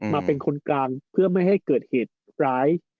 มาเป็นคนกลางเพื่อไม่ให้เกิดเหตุร้าย